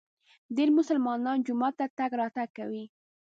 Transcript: ډېر مسلمانان جومات ته تګ راتګ کوي.